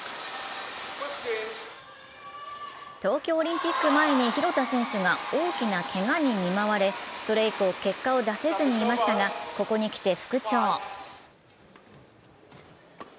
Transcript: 東京オリンピック前に廣田選手が大きなけがに見舞われそれ以降、結果を出せずにいましたが、ここに来て復調。